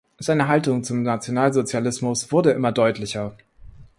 Seine Haltung zum Nationalsozialismus wurde immer deutlicher.